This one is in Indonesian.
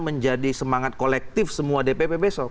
menjadi semangat kolektif semua dpp besok